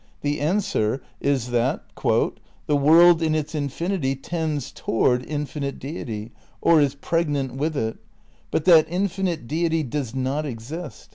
The answer is that "the world in its infinity tends toward infinite deity, or is preg nant with it, but that infinite deity does not exist